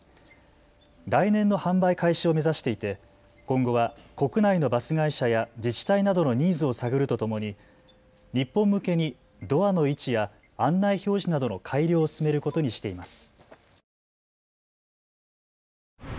来年の販売開始を目指していて今後は国内のバス会社や自治体などのニーズを探るとともに日本向けにドアの位置や案内表示などの改良を進めることにしています。